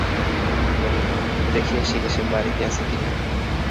বললে, দেখে আসি গে সে বাড়িতে আছে কিনা।